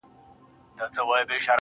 o ته لږه ایسته سه چي ما وویني.